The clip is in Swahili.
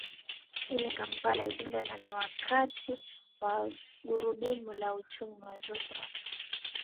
ini kampala uganda na ni wakati wa gurudumu la uchumi na zuhra